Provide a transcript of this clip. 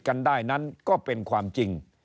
กันได้นั้นก็เป็นความจริง